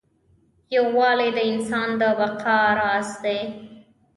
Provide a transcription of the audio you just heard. یووالی د انسان د بقا راز دی.